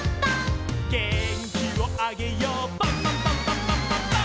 「げんきをあげようパンパンパンパンパンパンパン！！」